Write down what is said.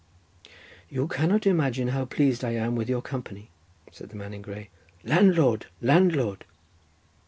"You cannot imagine how pleased I am with your company," said the man in grey. "Landlord, landlord!"